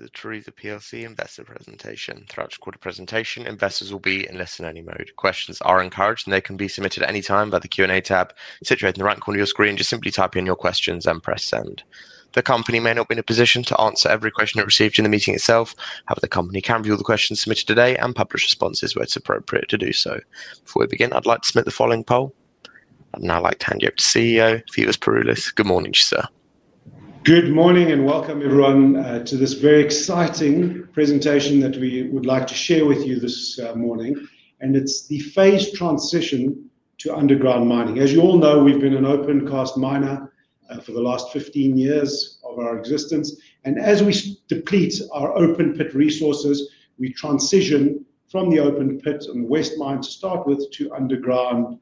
Welcome to the Tharisa plc investor presentation. Throughout the recorded presentation, investors will be in listen-only mode. Questions are encouraged, and they can be submitted anytime by the Q&A tab situated in the right corner of your screen. Just simply type in your questions and press send. The company may not be in a position to answer every question it receives in the meeting itself. However, the company can view all the questions submitted today and publish responses where it's appropriate to do so. Before we begin, I'd like to submit the following poll. I'd now like to hand you over to CEO Phoevos Pouroulis. Good morning, sir. Good morning and welcome, everyone, to this very exciting presentation that we would like to share with you this morning. It's the phased transition to underground mining. As you all know, we've been an open-cast miner for the last 15 years of our existence. As we deplete our open pit resources, we transition from the open pit and the west mine to start with to underground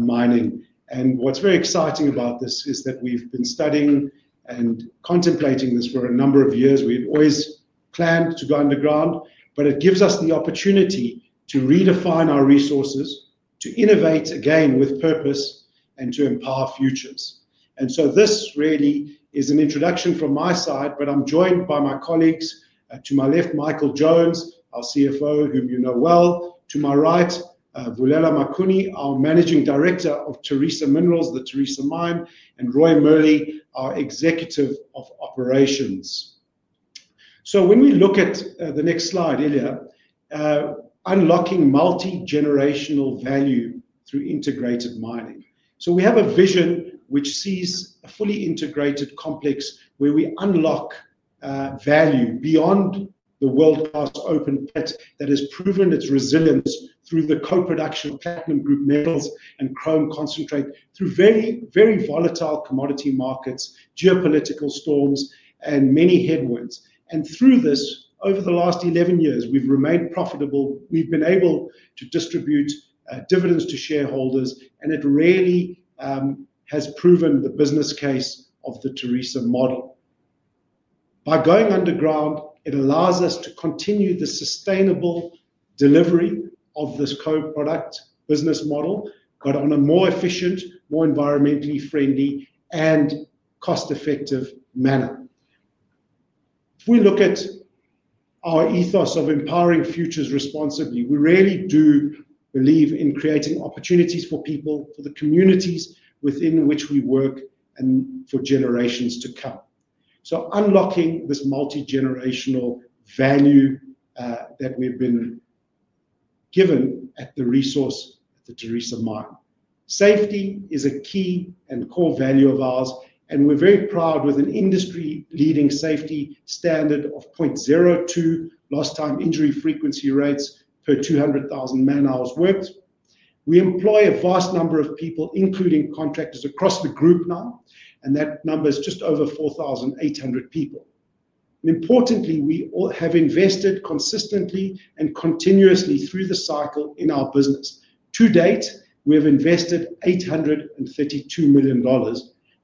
mining. What's very exciting about this is that we've been studying and contemplating this for a number of years. We had always planned to go underground, but it gives us the opportunity to redefine our resources, to innovate again with purpose, and to empower futures. This really is an introduction from my side, but I'm joined by my colleagues. To my left, Michael Jones, our CFO, whom you know well. To my right, Vulela Makuni, our Managing Director of Tharisa Minerals, the Tharisa mine, and Roy Murley, our Executive of Operations. When we look at the next slide, Ilja, unlocking multigenerational value through integrated mining. We have a vision which sees a fully integrated complex where we unlock value beyond the world-class open pit that has proven its resilience through the co-production platinum group metals and chrome concentrate through very, very volatile commodity markets, geopolitical storms, and many headwinds. Through this, over the last 11 years, we've remained profitable. We've been able to distribute dividends to shareholders, and it really has proven the business case of the Tharisa model. By going underground, it allows us to continue the sustainable delivery of this co-product business model, but in a more efficient, more environmentally friendly, and cost-effective manner. If we look at our ethos of empowering futures responsibly, we really do believe in creating opportunities for people, for the communities within which we work, and for generations to come. Unlocking this multigenerational value that we've been given at the resource, the Tharisa Mine. Safety is a key and core value of ours, and we're very proud with an industry-leading safety standard of 0.02 lost time injury frequency rates per 200,000 man-hours worked. We employ a vast number of people, including contractors across the group now, and that number is just over 4,800 people. Importantly, we have invested consistently and continuously through the cycle in our business. To date, we have invested $832 million,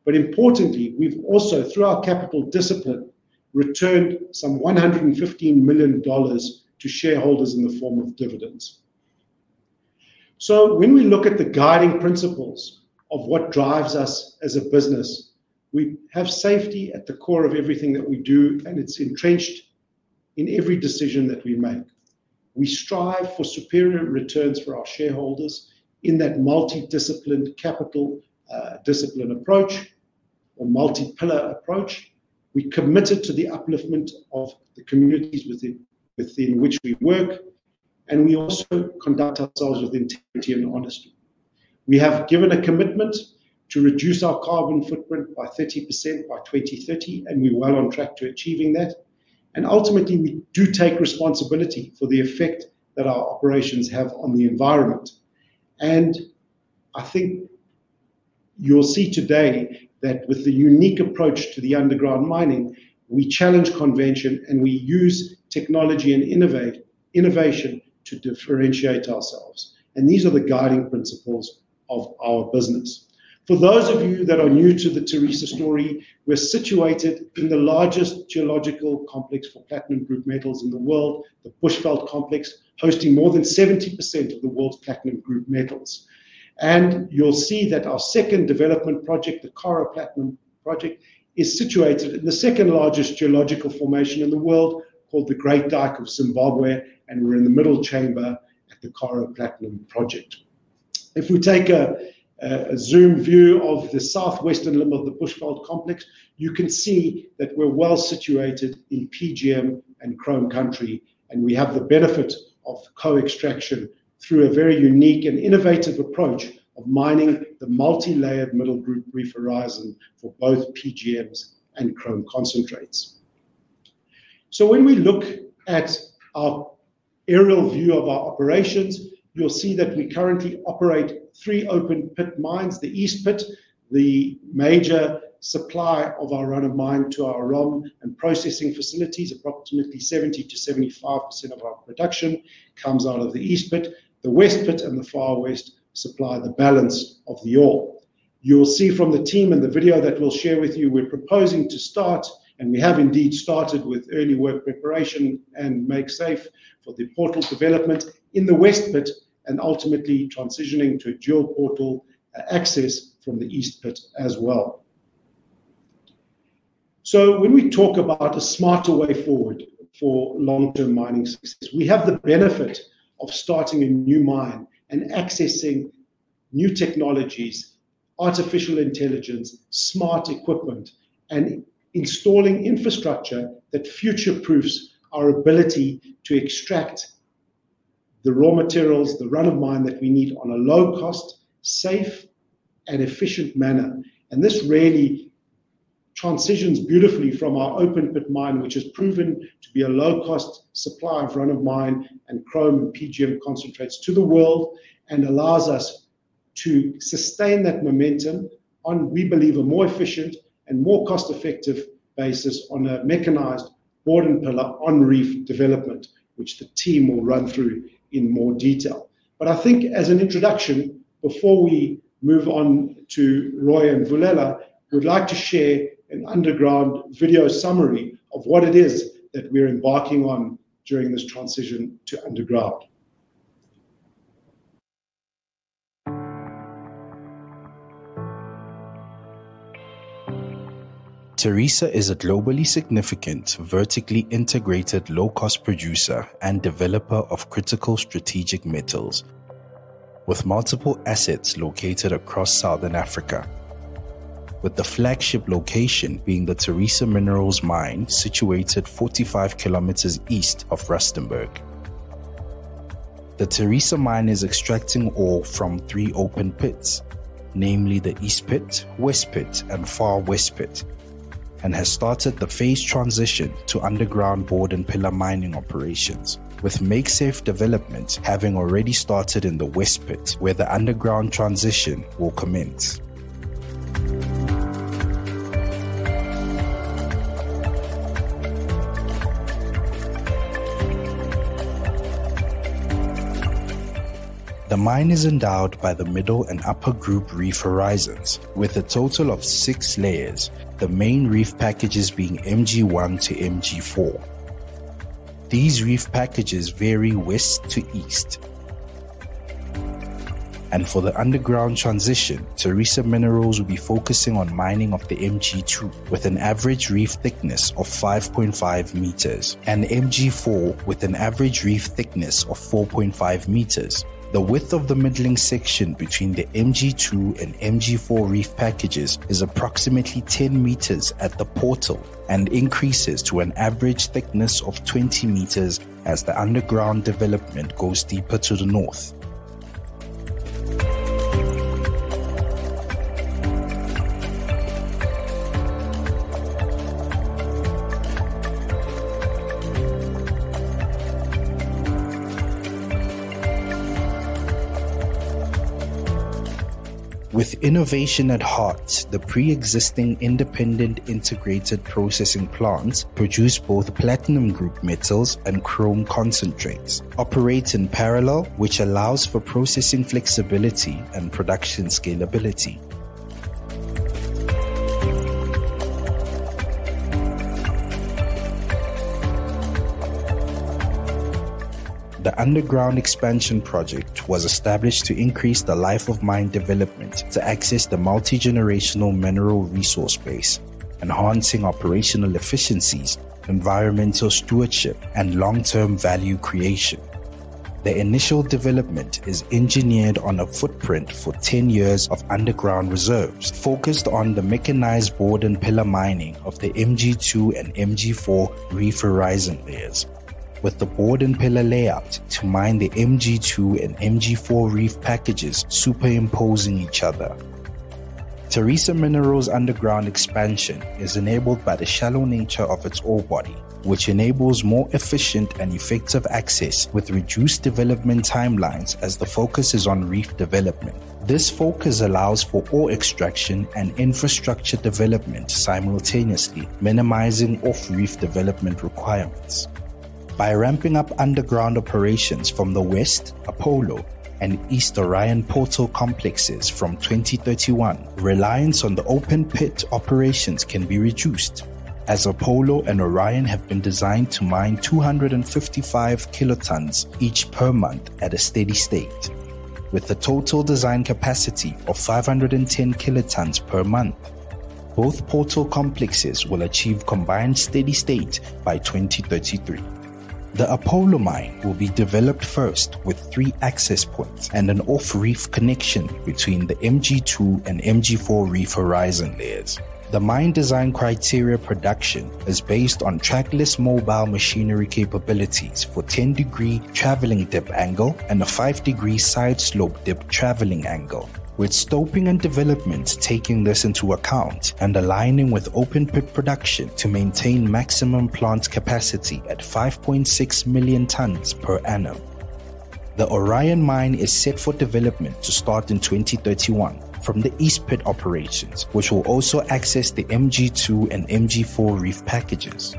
but importantly, we've also, through our capital discipline, returned some $115 million to shareholders in the form of dividends. When we look at the guiding principles of what drives us as a business, we have safety at the core of everything that we do, and it's entrenched in every decision that we make. We strive for superior returns for our shareholders in that multi-disciplined capital discipline approach or multi-pillar approach. We're committed to the upliftment of the communities within which we work, and we also conduct ourselves with integrity and honesty. We have given a commitment to reduce our carbon footprint by 30% by 2030, and we're well on track to achieving that. Ultimately, we do take responsibility for the effect that our operations have on the environment. I think you'll see today that with the unique approach to the underground mining, we challenge convention, and we use technology and innovation to differentiate ourselves. These are the guiding principles of our business. For those of you that are new to the Tharisa story, we're situated in the largest geological complex for platinum group metals in the world, the Bushveld Complex, hosting more than 70% of the world's platinum group metals. You'll see that our second development project, the Karo Platinum Project, is situated in the second largest geological formation in the world called the Great Dike of Zimbabwe, and we're in the middle chamber at the Karo Platinum Project. If we take a zoom view of the southwestern limb of the Bushveld Complex, you can see that we're well situated in PGM and chrome country, and we have the benefit of co-extraction through a very unique and innovative approach of mining the multi-layered metal reef horizon for both PGMs and chrome concentrates. When we look at our aerial view of our operations, you'll see that we currently operate three open pit mines. The east pit, the major supplier of our run of mine to our ROM and processing facilities, approximately 70%-75% of our production comes out of the east pit. The west pit and the far west supply the balance of the ore. You'll see from the team in the video that we'll share with you, we're proposing to start, and we have indeed started with early work preparation and make safe for the portal's development in the west pit and ultimately transitioning to a dual portal access from the east pit as well. When we talk about a smarter way forward for long-term mining success, we have the benefit of starting a new mine and accessing new technologies, artificial intelligence, smart equipment, and installing infrastructure that future-proofs our ability to extract the raw materials, the run of mine that we need in a low-cost, safe, and efficient manner. This really transitions beautifully from our open pit mine, which has proven to be a low-cost supplier of run of mine and chrome and PGM concentrates to the world, and allows us to sustain that momentum on, we believe, a more efficient and more cost-effective basis on a mechanized board and pillar on-reef development, which the team will run through in more detail. I think as an introduction, before we move on to Roy and Vulela, we'd like to share an underground video summary of what it is that we're embarking on during this transition to underground. Tharisa is a globally significant, vertically integrated, low-cost producer and developer of critical strategic metals with multiple assets located across southern Africa, with the flagship location being the Tharisa Minerals Mine, situated 45 km east of Rustenburg. The Tharisa Minerals Mine is extracting ore from three open pits, namely the East Pit, West Pit, and Far West Pit, and has started the phased transition to underground board and pillar mining operations, with MakeSafe development having already started in the West Pit, where the underground transition will commence. The mine is endowed by the middle and upper group reef horizons, with a total of six layers, the main reef packages being MG1-MG4. These reef packages vary west to east. For the underground transition, Tharisa Minerals will be focusing on mining of the MG2, with an average reef thickness of 5.5 meters, and MG4 with an average reef thickness of 4.5 meters. The width of the middling section between the MG2 and MG4 reef packages is approximately 10 meters at the portal and increases to an average thickness of 20 meters as the underground development goes deeper to the north. With innovation at heart, the pre-existing independent integrated processing plants produce both platinum group metals and chrome concentrates, and operate in parallel, which allows for processing flexibility and production scalability. The underground expansion project was established to increase the life of mine development to access the multigenerational mineral resource base, enhancing operational efficiencies, environmental stewardship, and long-term value creation. The initial development is engineered on a footprint for 10 years of underground reserves, focused on the mechanized board and pillar mining of the MG2 and MG4 reef horizon layers, with the board and pillar layout to mine the MG2 and MG4 reef packages superimposing each other. Tharisa Minerals' underground expansion is enabled by the shallow nature of its ore body, which enables more efficient and effective access with reduced development timelines as the focus is on reef development. This focus allows for ore extraction and infrastructure development simultaneously, minimizing off-reef development requirements. By ramping up underground operations from the west, Apollo, and east Orion portal complexes from 2031, reliance on the open pit operations can be reduced, as Apollo and Orion have been designed to mine 255 kt each per month at a steady state. With a total design capacity of 510 kt per month, both portal complexes will achieve combined steady state by 2033. The Apollo mine will be developed first with three access points and an off-reef connection between the MG2 and MG4 reef horizon layers. The mine design criteria production is based on trackless mobile machinery capabilities for 10 degree traveling dip angle and a five degree side slope dip traveling angle, with stopping and development taking this into account and aligning with open pit production to maintain maximum plant capacity at 5.6 million tons per annum. The Orion mine is set for development to start in 2031 from the east pit operations, which will also access the MG2 and MG4 reef packages.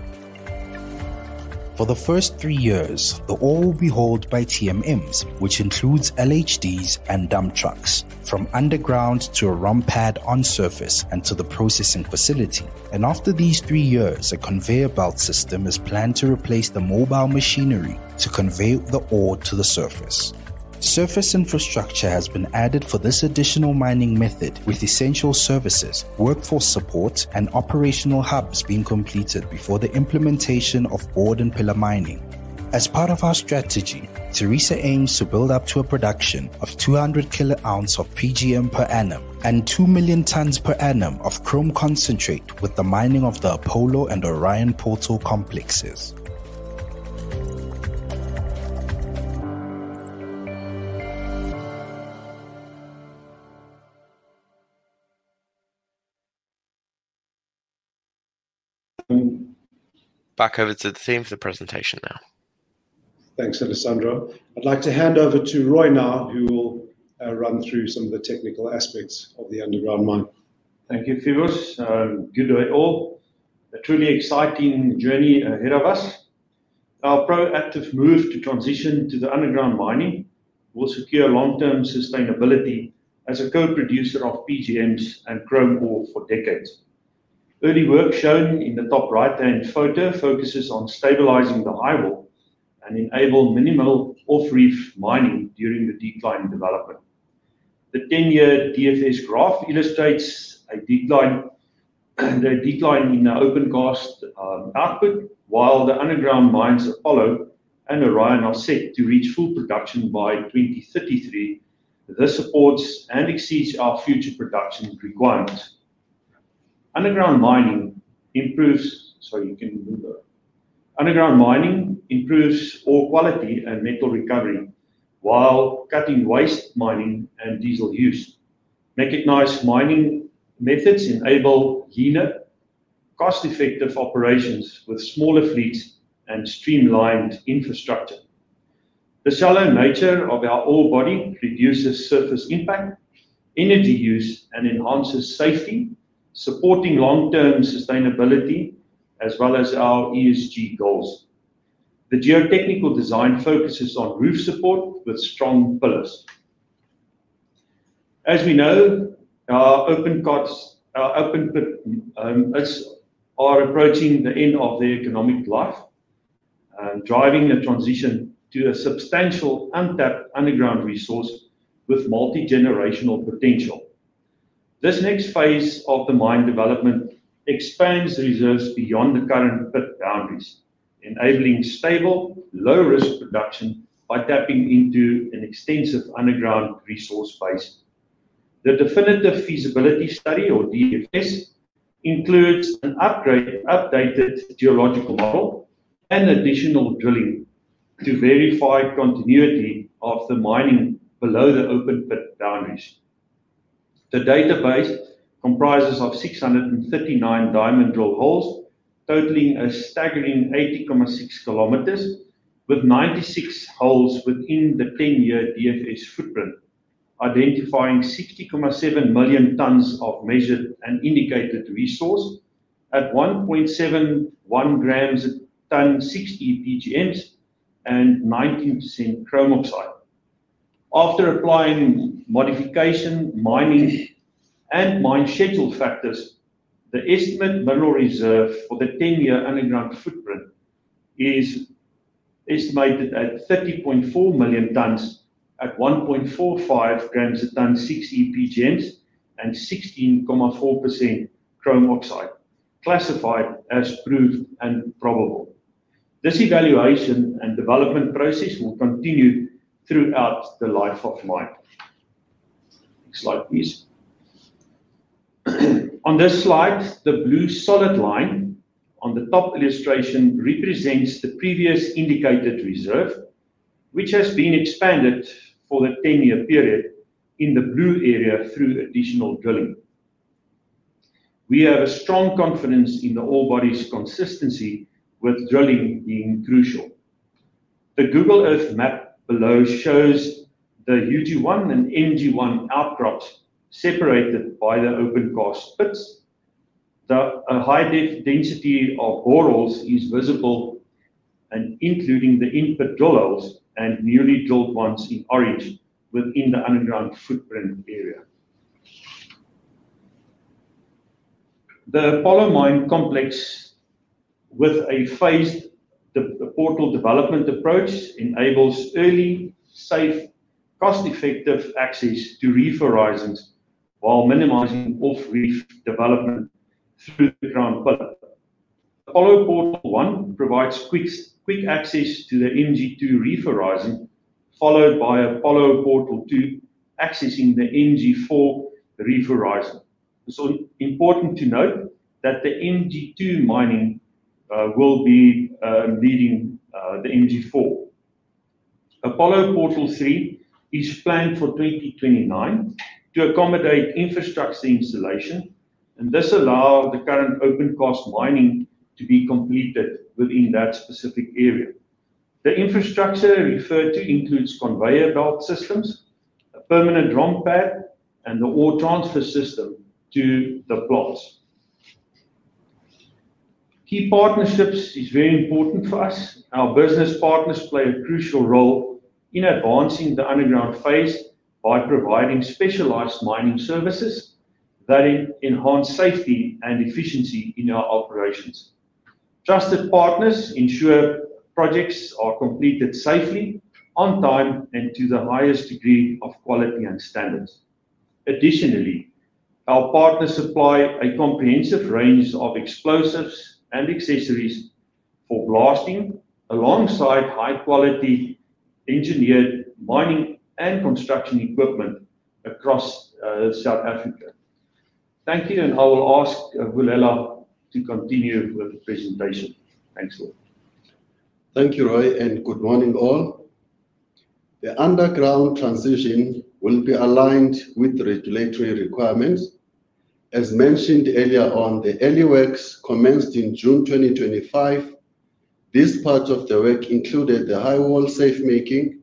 For the first three years, the ore will be hauled by TMMs, which includes LHDs and dump trucks, from underground to a ROM pad on surface and to the processing facility. After these three years, a conveyor belt system is planned to replace the mobile machinery to convey the ore to the surface. Surface infrastructure has been added for this additional mining method, with essential services, workforce support, and operational hubs being completed before the implementation of board and pillar mining. As part of our strategy, Tharisa aims to build up to a production of 200 kilo ounce of PGM per annum and 2 million tons per annum of chrome concentrate with the mining of the Apollo and Orion portal complexes. Back over to the theme of the presentation now. Thanks, Alessandro. I'd like to hand over to Roy now, who will run through some of the technical aspects of the underground mine. Thank you, Phoevos. Good day all. A truly exciting journey ahead of us. Our proactive move to transition to the underground mining will secure long-term sustainability as a co-producer of PGMs and chrome ore for decades. Early work shown in the top right-hand photo focuses on stabilizing the high wall and enabling minimal off-reef mining during the deep line development. The 10-year DFS graph illustrates a deadline in the open-cast output, while the underground mines Apollo and Orion are set to reach full production by 2033. This supports and exceeds our future production requirements. Underground mining improves ore quality and metal recovery while cutting waste mining and diesel use. Mechanized mining methods enable cleaner, cost-effective operations with smaller fleets and streamlined infrastructure. The shallow nature of our ore body reduces surface impact, energy use, and enhances safety, supporting long-term sustainability as well as our ESG goals. The geotechnical design focuses on roof support with strong pillars. As we know, our open pit are approaching the end of their economic life, driving the transition to a substantial untapped underground resource with multigenerational potential. This next phase of the mine development expands reserves beyond the current pit boundaries, enabling stable, low-risk production by tapping into an extensive underground resource phase. The definitive feasibility study, or DFS, includes an upgraded geological model and additional drilling to verify continuity of the mining below the open pit boundaries. The database comprises 639 diamond drill holes, totaling a staggering 80.6 km, with 96 holes within the 10-year DFS footprint, identifying 60.7 million tons of measured and indicated resource at 1.71 grams a ton, 60 PGMs, and 19% chrome oxide. After applying modification mining and mine schedule factors, the estimated mineral reserve for the 10-year underground footprint is estimated at 30.4 million tons at 1.45 grams a ton, 60 PGMs, and 16.4% chrome oxide, classified as proved and probable. This evaluation and development process will continue throughout the life of mine. Next slide, please. On this slide, the blue solid line on the top illustration represents the previous indicated reserve, which has been expanded for the 10-year period in the blue area through additional drilling. We have a strong confidence in the ore body's consistency, with drilling being crucial. The Google Earth map below shows the UG1 and MG1 outcrops separated by the open-cast pits. The high density of boreholes is visible, including the input drill holes and newly drilled ones in areas within the underground footprint area. The Apollo mine complex, with a phased portal development approach, enables early, safe, cost-effective access to reef horizons while minimizing off-reef development through the ground. Apollo portal one provides quick access to the MG2 reef horizon, followed by Apollo portal two, accessing the MG4 reef horizon. It's important to note that the MG2 mining will be leading the MG4. Apollo portal three is planned for 2029 to accommodate infrastructure installation, and this allows the current open-cast mining to be completed within that specific area. The infrastructure referred to includes conveyor belt systems, a permanent ROM pad, and the ore transfer system to the plows. Key partnerships are very important for us. Our business partners play a crucial role in advancing the underground phase by providing specialized mining services that enhance safety and efficiency in our operations. Trusted partners ensure projects are completed safely, on time, and to the highest degree of quality and standards. Additionally, our partners supply a comprehensive range of explosives and accessories for blasting, alongside high-quality engineered mining and construction equipment across South Africa. Thank you, and I will ask Vulela to continue with the presentation. Thanks a lot. Thank you, Roy, and good morning all. The underground transition will be aligned with regulatory requirements. As mentioned earlier on, the early works commenced in June 2025. This part of the work included the high wall safe making,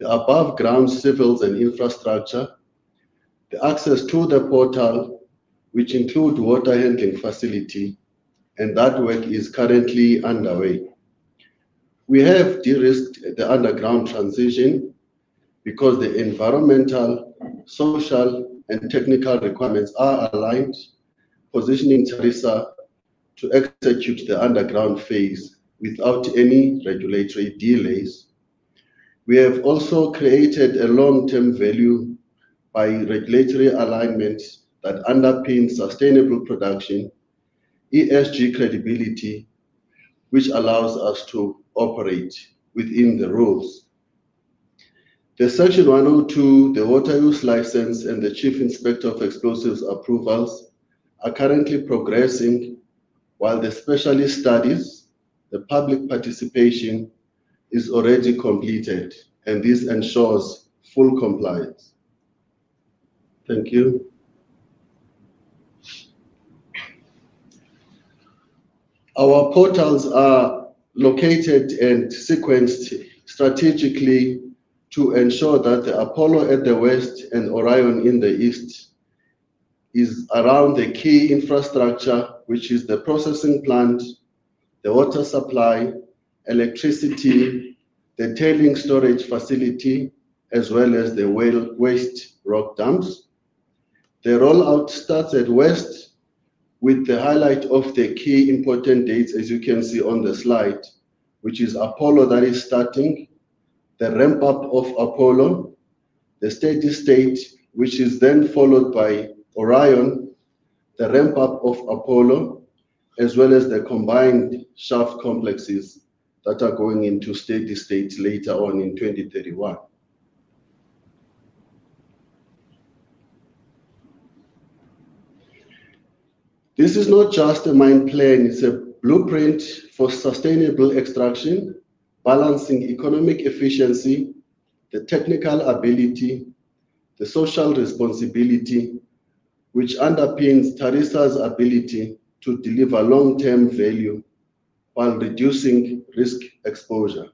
the above-ground civils and infrastructure, the access to the portal, which includes water handling facility, and that work is currently underway. We have de-risked the underground transition because the environmental, social, and technical requirements are aligned, positioning Tharisa to execute the underground phase without any regulatory delays. We have also created a long-term value by regulatory alignments that underpin sustainable production, ESG credibility, which allows us to operate within the rules. The Section 102, the water use license, and the Chief Inspector of Explosives approvals are currently progressing, while the specialist studies, the public participation is already completed, and this ensures full compliance. Thank you. Our portals are located and sequenced strategically to ensure that the Apollo at the west and Orion in the east are around the key infrastructure, which is the processing plant, the water supply, electricity, the turning storage facility, as well as the waste rock dumps. The rollout starts at west with the highlight of the key important dates, as you can see on the slide, which is Apollo that is starting, the ramp-up of Apollo, the steady state, which is then followed by Orion, the ramp-up of Apollo, as well as the combined shaft complexes that are going into steady state later on in 2031. This is not just a mine plan. It's a blueprint for sustainable extraction, balancing economic efficiency, the technical ability, the social responsibility, which underpins Tharisa's ability to deliver long-term value while reducing risk exposure.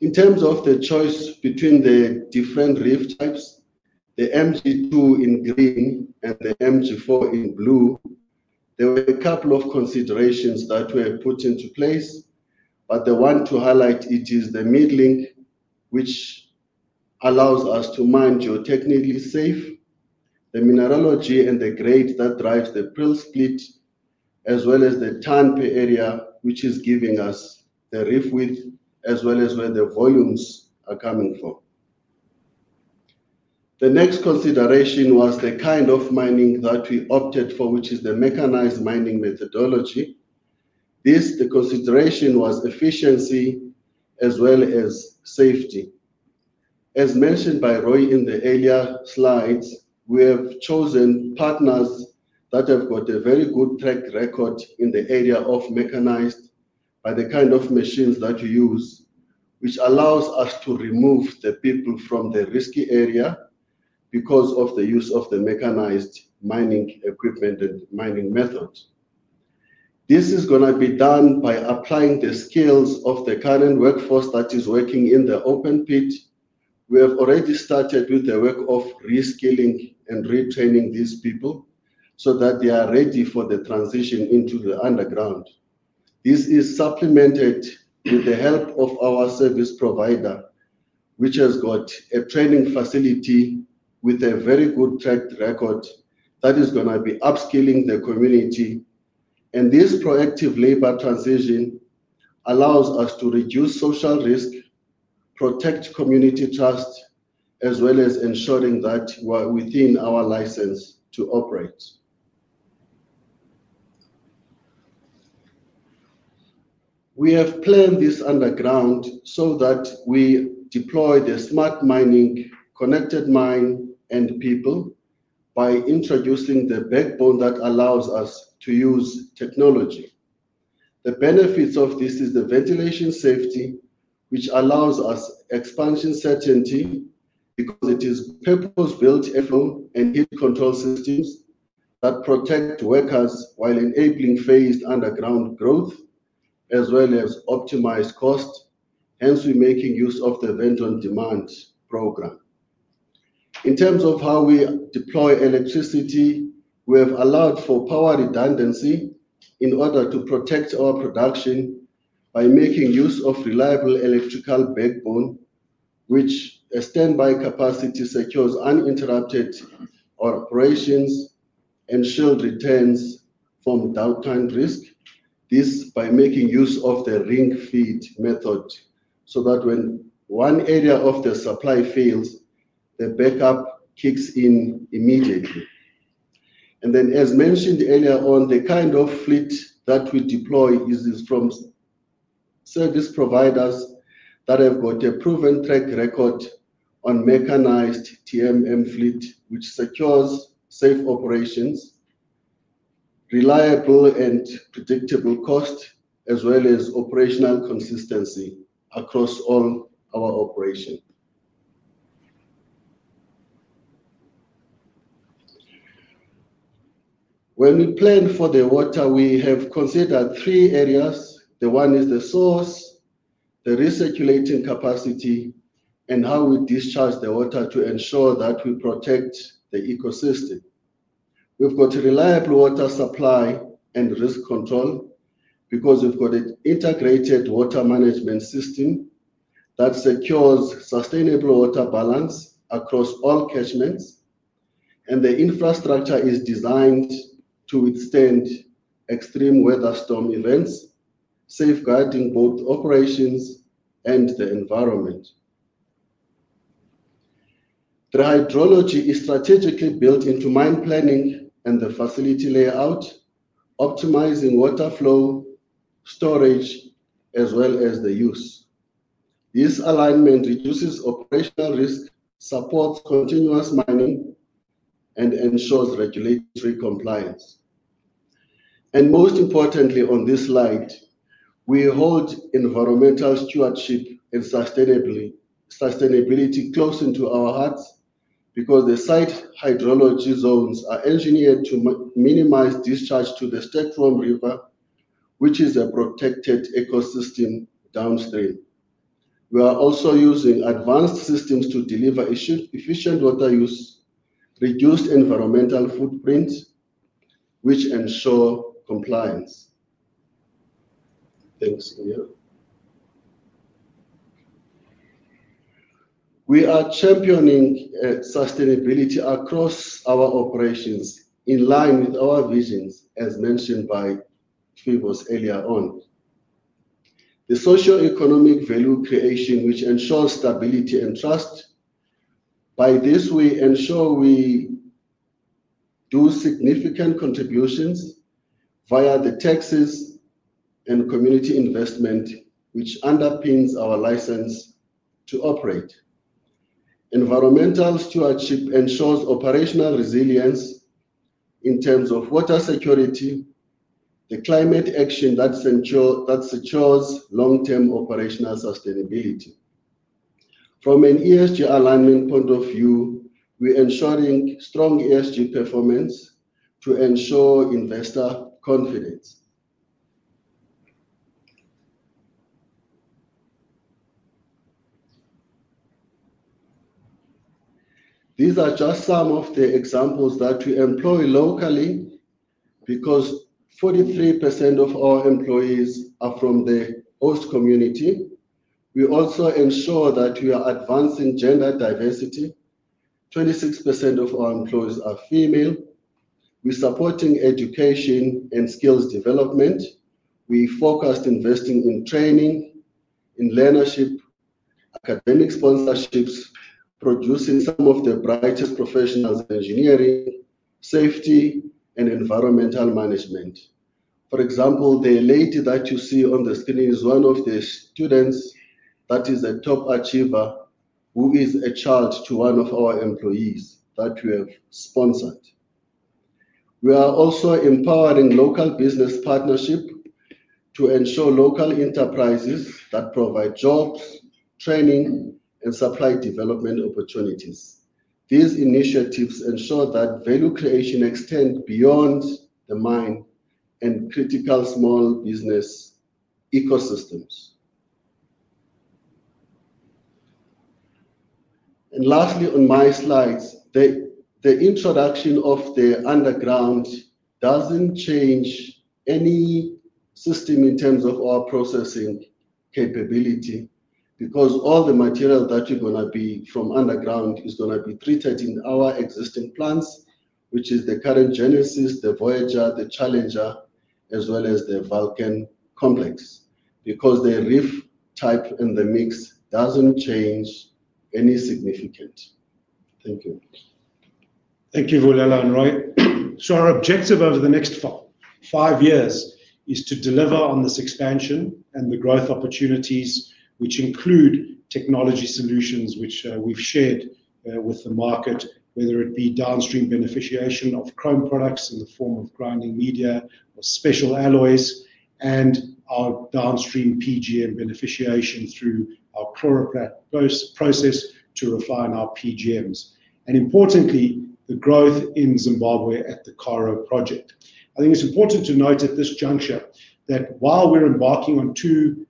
In terms of the choice between the different reef types, the MG2 in green and the MG4 in blue, there were a couple of considerations that were put into place, but the one to highlight is the middling, which allows us to mine geotechnically safe. The mineralogy and the grade that drives the pearl split, as well as the tan pit area, which is giving us the reef width, as well as where the volumes are coming from. The next consideration was the kind of mining that we opted for, which is the mechanized mining methodology. This, the consideration was efficiency, as well as safety. As mentioned by Roy in the earlier slides, we have chosen partners that have got a very good track record in the area of mechanized by the kind of machines that you use, which allows us to remove the people from the risky area because of the use of the mechanized mining equipment and mining method. This is going to be done by applying the skills of the current workforce that is working in the open pit. We have already started with the work of reskilling and retraining these people so that they are ready for the transition into the underground. This is supplemented with the help of our service provider, which has got a training facility with a very good track record that is going to be upskilling the community. This proactive labor transition allows us to reduce social risk, protect community trust, as well as ensuring that we're within our license to operate. We have planned this underground so that we deploy the smart mining, connected mine, and people by introducing the backbone that allows us to use technology. The benefits of this are the ventilation safety, which allows us expansion certainty because it is purpose-built effluent and heat control systems that protect workers while enabling phased underground growth, as well as optimized cost, hence we're making use of the Venton Demands Program. In terms of how we deploy electricity, we have allowed for power redundancy in order to protect our production by making use of reliable electrical backbone, which a standby capacity secures uninterrupted operations and shield returns from downtime risk. This by making use of the ring feed method so that when one area of the supply fails, the backup kicks in immediately. As mentioned earlier on, the kind of fleet that we deploy is from service providers that have got a proven track record on mechanized TMM fleet, which secures safe operations, reliable, and predictable cost, as well as operational consistency across all our operations. When we plan for the water, we have considered three areas. The one is the source, the recirculating capacity, and how we discharge the water to ensure that we protect the ecosystem. We've got a reliable water supply and risk control because we've got an integrated water management system that secures sustainable water balance across all catchments, and the infrastructure is designed to withstand extreme weather storm events, safeguarding both operations and the environment. The hydrology is strategically built into mine planning and the facility layout, optimizing water flow, storage, as well as the use. This alignment reduces operational risk, supports continuous mining, and ensures regulatory compliance. Most importantly, on this slide, we hold environmental stewardship and sustainability close into our hearts because the site hydrology zones are engineered to minimize discharge to the Step From River, which is a protected ecosystem downstream. We are also using advanced systems to deliver efficient water use, reduced environmental footprints, which ensure compliance. Thanks, Ilja. We are championing sustainability across our operations in line with our visions, as mentioned by Phoevos earlier on. The socioeconomic value creation, which ensures stability and trust. By this, we ensure we do significant contributions via the taxes and community investment, which underpins our license to operate. Environmental stewardship ensures operational resilience in terms of water security, the climate action that secures long-term operational sustainability. From an ESG alignment point of view, we are ensuring strong ESG performance to ensure investor confidence. These are just some of the examples that we employ locally because 43% of our employees are from the host community. We also ensure that we are advancing gender diversity. 26% of our employees are female. We are supporting education and skills development. We focus on investing in training, in leadership, academic sponsorships, producing some of the brightest professionals in engineering, safety, and environmental management. For example, the lady that you see on the screen is one of the students that is a top achiever who is a child to one of our employees that we have sponsored. We are also empowering local business partnerships to ensure local enterprises that provide jobs, training, and supply development opportunities. These initiatives ensure that value creation extends beyond the mine and critical small business ecosystems. Lastly, on my slides, the introduction of the underground doesn't change any system in terms of our processing capability because all the material that you're going to be from underground is going to be treated in our existing plants, which is the current Genesis, the Voyager, the Challenger, as well as the Vulcan complex because the reef type in the mix doesn't change any significantly. Thank you. Thank you, Vulela and Roy. Our objective over the next five years is to deliver on this expansion and the growth opportunities, which include technology solutions which we've shared with the market, whether it be downstream beneficiation of chrome products in the form of grinding media or special alloys, and our downstream PGM beneficiation through our chloroplast process to refine our PGMs. Importantly, the growth in Zimbabwe at the Karo Platinum Project. I think it's important to note at this juncture that while we're embarking on two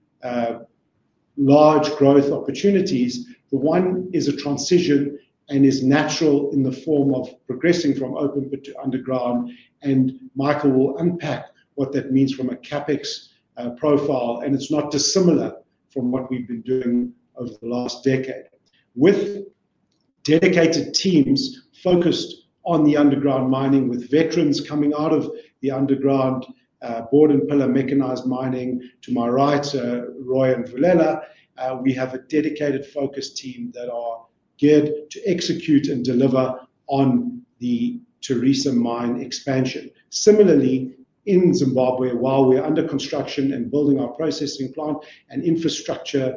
large growth opportunities, the one is a transition and is natural in the form of progressing from open pit to underground. Michael will unpack what that means from a CapEx profile, and it's not dissimilar from what we've been doing over the last decade. With dedicated teams focused on the underground mining, with veterans coming out of the underground board and pillar mechanized mining, to my right, Roy and Vulela, we have a dedicated focus team that are geared to execute and deliver on the Tharisa Minerals Mine expansion. Similarly, in Zimbabwe, while we are under construction and building our processing plant and infrastructure,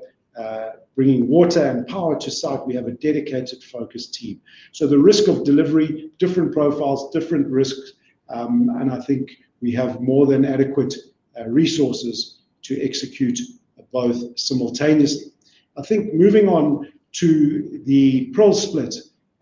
bringing water and power to site, we have a dedicated focus team. The risk of delivery, different profiles, different risks, and I think we have more than adequate resources to execute both simultaneously. Moving on to the pearl split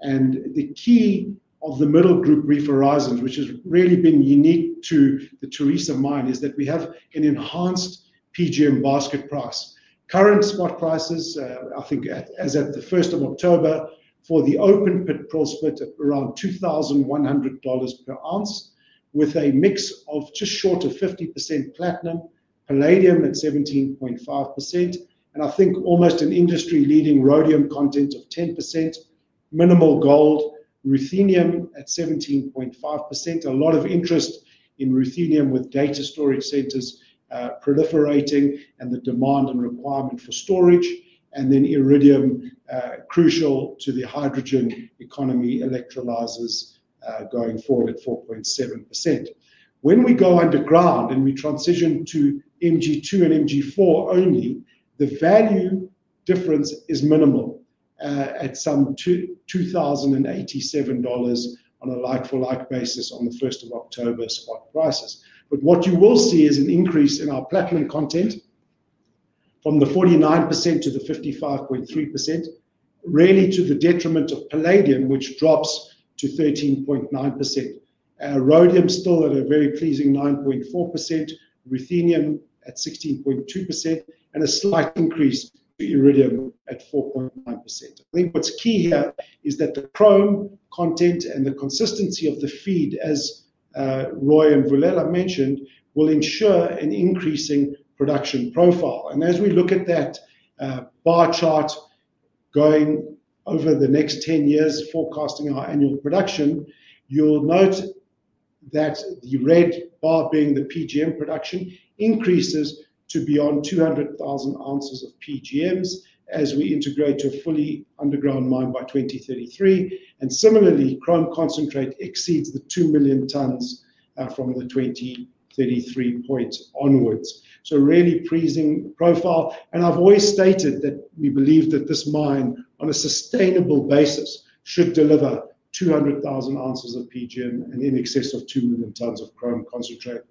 and the key of the middle group reef horizons, which has really been unique to the Tharisa Minerals Mine, is that we have an enhanced PGM basket price. Current spot prices, I think, as at the 1st of October, for the open pit pearl split at around $2,100 per ounce, with a mix of just short of 50% platinum, palladium at 17.5%, and I think almost an industry-leading rhodium content of 10%, minimal gold, ruthenium at 17.5%. A lot of interest in ruthenium with data storage centers proliferating and the demand and requirement for storage. Then iridium, crucial to the hydrogen economy electrolysers, going forward at 4.7%. When we go underground and we transition to MG2 and MG4 only, the value difference is minimal at some $2,087 on a like-for-like basis on the 1st of October spot prices. What you will see is an increase in our platinum content from the 49%-55.3%, rarely to the detriment of palladium, which drops to 13.9%. Rhodium still at a very pleasing 9.4%, ruthenium at 16.2%, and a slight increase to iridium at 4.9%. I think what's key here is that the chrome content and the consistency of the feed, as Roy and Vulela mentioned, will ensure an increasing production profile. As we look at that bar chart going over the next 10 years, forecasting our annual production, you'll note that the red bar being the PGM production increases to beyond 200,000 ounces of PGMs as we integrate to a fully underground mine by 2033. Similarly, chrome concentrate exceeds the 2 million tons from the 2033 point onwards. A really pleasing profile. I've always stated that we believe that this mine, on a sustainable basis, should deliver 200,000 ounces of PGM and in excess of 2 million tons of chrome concentrate.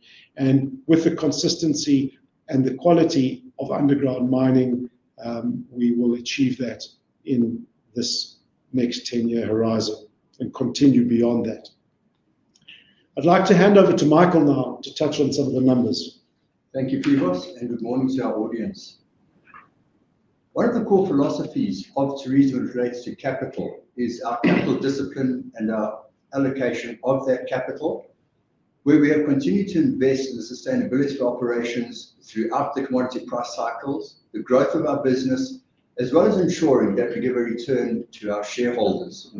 With the consistency and the quality of underground mining, we will achieve that in this next 10-year horizon and continue beyond that. I'd like to hand over to Michael Jones to touch on some of the numbers. Thank you, Phoevos, and good morning to our audience. One of the core philosophies of Tharisa when it relates to capital is our capital discipline and our allocation of that capital, where we have continued to invest in the sustainability for operations throughout the commodity price cycles, the growth of our business, as well as ensuring that we give a return to our shareholders.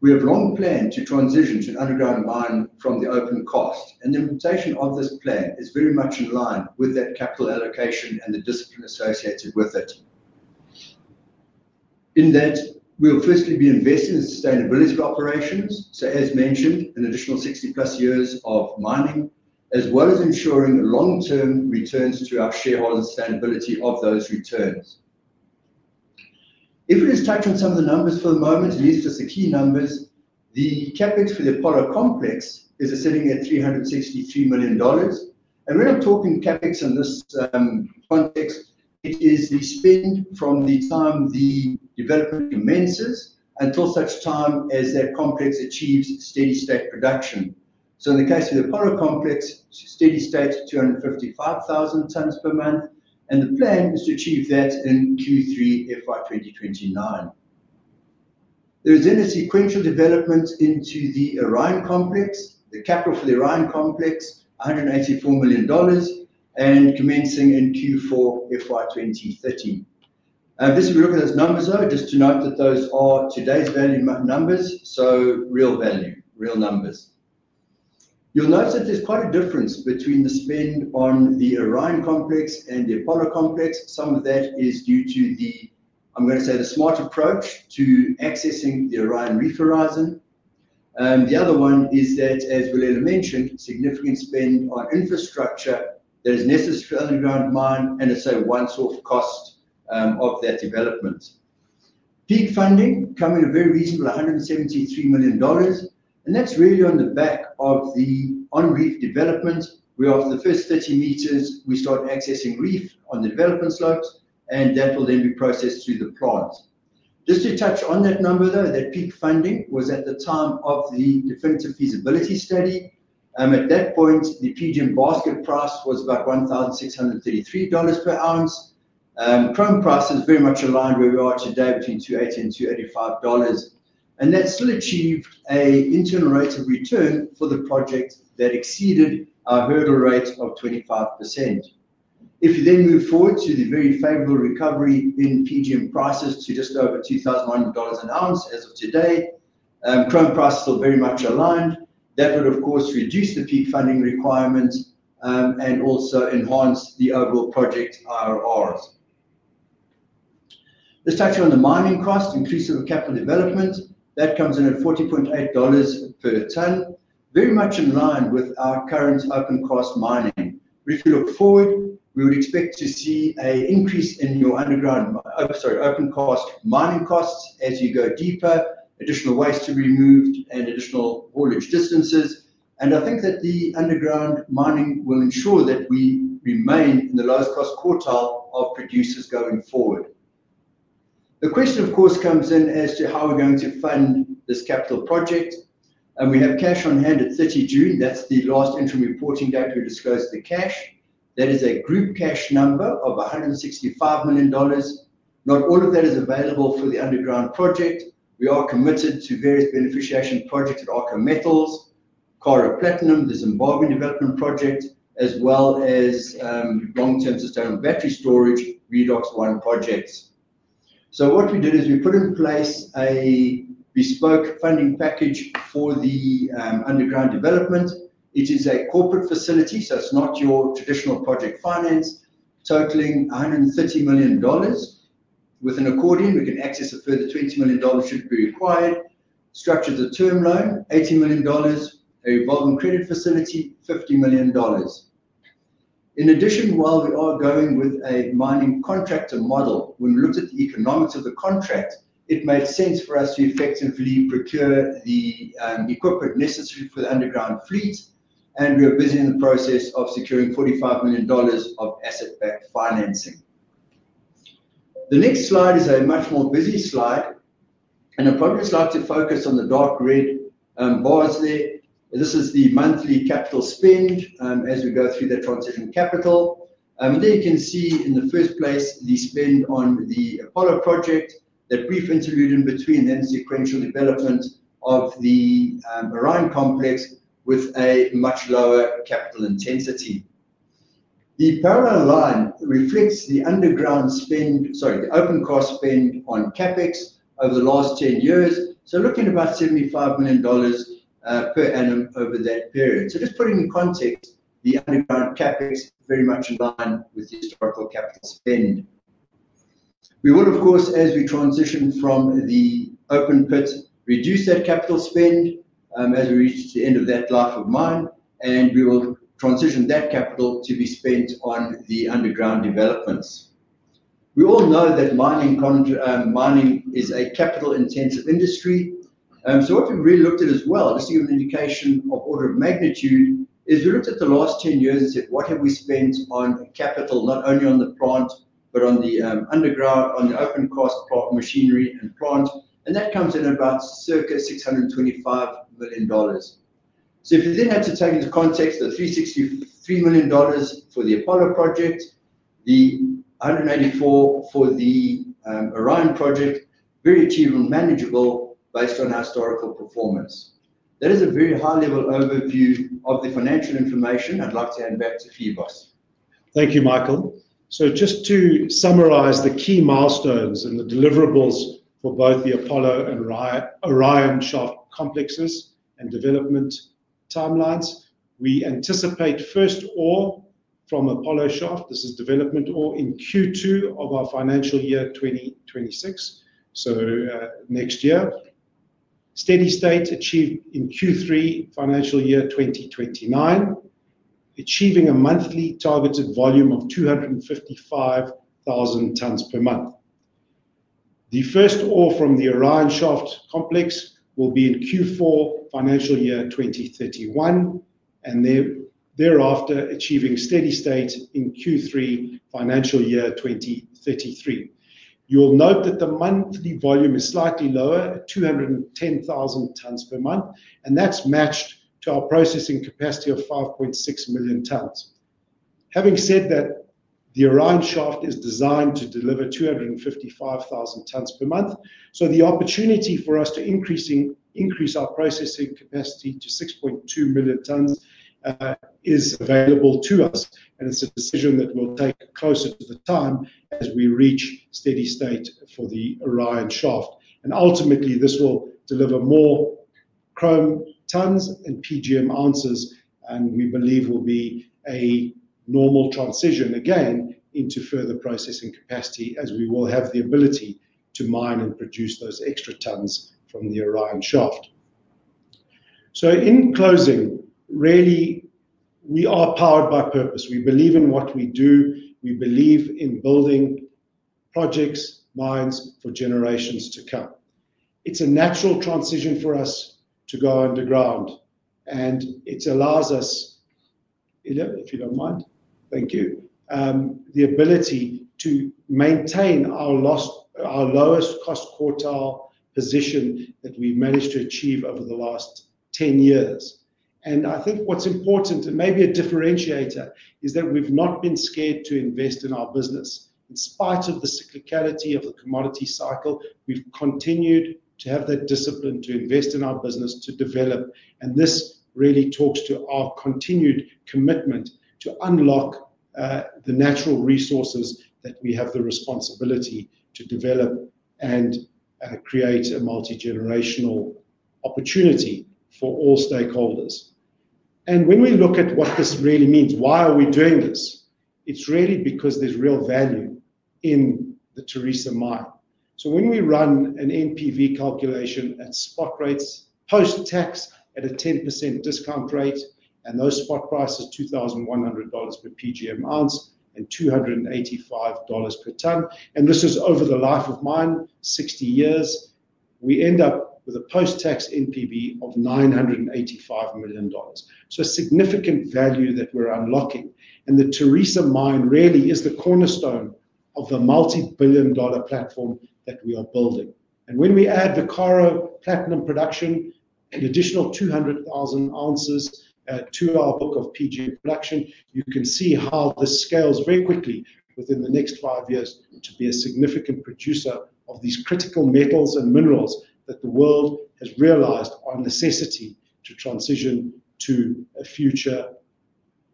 We have long planned to transition to an underground mine from the open cost, and the implementation of this plan is very much in line with that capital allocation and the discipline associated with it. In that, we'll firstly be investing in sustainability for operations. As mentioned, an additional 60+ years of mining, as well as ensuring long-term returns to our shareholders and sustainability of those returns. If we just touch on some of the numbers for a moment, and these are just the key numbers, the CapEx for the Apollo complex is sitting at $363 million. When I'm talking CapEx in this context, it is the spend from the time the development commences until such time as that complex achieves steady state production. In the case of the Apollo complex, steady state, 255,000 tons per month, and the plan is to achieve that in Q3 FY 2029. There is then a sequential development into the Orion complex. The capital for the Orion complex, $184 million, and commencing in Q4 FY 2030. Looking at those numbers though, just to note that those are today's value numbers, so real value, real numbers. You'll note that there's quite a difference between the spend on the Orion complex and the Apollo complex. Some of that is due to the, I'm going to say, the smart approach to accessing the Orion reef horizon. The other one is that, as Vulela mentioned, significant spend on infrastructure that is necessary for the underground mine and, as I say, one source cost of that development. Peak funding coming at a very reasonable $173 million, and that's really on the back of the on-reef developments, where after the first 30 meters, we start accessing reef on the development slopes, and that will then be processed through the plows. Just to touch on that number though, that peak funding was at the time of the definitive feasibility study. At that point, the PGM basket price was about $1,633 per ounce, and chrome price is very much aligned where we are today between $280 and $285, and that still achieved an internal rate of return for the project that exceeded our hurdle rate of 25%. If you then move forward to the very favorable recovery in PGM prices to just over $2,100 an ounce as of today, chrome prices are very much aligned. That would, of course, reduce the peak funding requirement and also enhance the overall project IRRS. Let's touch on the mining cost, increase of capital development. That comes in at $40.8 per ton, very much in line with our current open-cost mining. If we look forward, we would expect to see an increase in your underground, sorry, open-cost mining costs as you go deeper, additional waste to be removed, and additional haulage distances. I think that the underground mining will ensure that we remain in the lowest cost quartile of producers going forward. The question, of course, comes in as to how we're going to fund this capital project. We have cash on hand at City Dune. That's the last interim reporting that we disclose the cash. That is a group cash number of $165 million. Not all of that is available for the underground project. We are committed to various beneficiation projects at Arka Metals, Karo Platinum Project, the Zimbabwe development project, as well as long-term sustainable battery storage, Redox One projects. What we did is we put in place a bespoke funding package for the underground development. It is a corporate facility, so it's not your traditional project finance, totaling $130 million. With an accordion, we could access a further $20 million should it be required, structure the term loan, $80 million, a revolving credit facility, $50 million. In addition, while we are going with a mining contractor model, when we looked at the economics of the contract, it made sense for us to effectively procure the equipment necessary for the underground fleet, and we are busy in the process of securing $45 million of asset-backed financing. The next slide is a much more busy slide, and I'd probably just like to focus on the dark red bars there. This is the monthly capital spend as we go through that transition capital. There you can see in the first place the spend on the Apollo project, that brief interlude in between then sequential development of the Orion complex with a much lower capital intensity. The parallel line reflects the underground spend, sorry, the open-pit spend on CapEx over the last 10 years. Looking at about $75 million per annum over that period, just putting in context, the underground CapEx is very much in line with the historical CapEx spend. We want, of course, as we transition from the open pit, to reduce that capital spend as we reach the end of that life of mine, and we will transition that capital to be spent on the underground developments. We all know that mining is a capital-intensive industry. What we really looked at as well, just to give an indication of order of magnitude, is we looked at the last 10 years and said, what have we spent on capital, not only on the front, but on the underground, on the open-pit machinery and front? That comes in at about circa $625 million. If we then had to take into context the $363 million for the Apollo project, the $184 million for the Orion project, very achievable and manageable based on our historical performance. That is a very high-level overview of the financial information. I'd like to hand back to Phoevos. Thank you, Michael. Just to summarize the key milestones and the deliverables for both the Apollo and Orion shaft complexes and development timelines, we anticipate first ore from Apollo shaft. This is development ore in Q2 of our financial year 2026, so next year. Steady state is achieved in Q3 financial year 2029, achieving a monthly targeted volume of 255,000 tons per month. The first ore from the Orion shaft complex will be in Q4 financial year 2031, and thereafter achieving steady state in Q3 financial year 2033. You'll note that the monthly volume is slightly lower, 210,000 tons per month, and that's matched to our processing capacity of 5.6 million tons. Having said that, the Orion shaft is designed to deliver 255,000 tons per month, so the opportunity for us to increase our processing capacity to 6.2 million tons is available to us, and it's a decision that we'll take closer to the time as we reach steady state for the Orion shaft. Ultimately, this will deliver more chrome tons and PGM ounces, and we believe will be a normal transition again into further processing capacity as we will have the ability to mine and produce those extra tons from the Orion shaft. In closing, really, we are powered by purpose. We believe in what we do. We believe in building projects, mines for generations to come. It's a natural transition for us to go underground, and it allows us, Ilja, if you don't mind, thank you, the ability to maintain our lowest cost quartile position that we've managed to achieve over the last 10 years. I think what's important, and maybe a differentiator, is that we've not been scared to invest in our business. In spite of the cyclicality of the commodity cycle, we've continued to have that discipline to invest in our business to develop, and this really talks to our continued commitment to unlock the natural resources that we have the responsibility to develop and create a multigenerational opportunity for all stakeholders. When we look at what this really means, why are we doing this? It's really because there's real value in the Tharisa mine. When we run an NPV calculation at spot rates, post-tax at a 10% discount rate, and those spot prices are $2,100 per PGM ounce and $285 per ton, and this is over the life of mine, 60 years, we end up with a post-tax NPV of $985 million. A significant value that we're unlocking, and the Tharisa Minerals Mine really is the cornerstone of the multi-billion dollar platform that we are building. When we add the Karo Platinum Project production and the additional 200,000 ounces to our book of PGM production, you can see how this scales very quickly within the next five years to be a significant producer of these critical metals and minerals that the world has realized are necessary to transition to a future